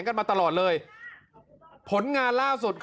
นั่นแหละครับ